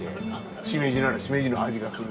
しめじならしめじの味がする。